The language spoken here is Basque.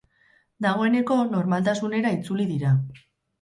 Dagoeneko, normaltasunera itzuli dira.